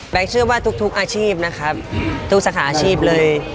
เชื่อว่าทุกอาชีพนะครับทุกสาขาอาชีพเลย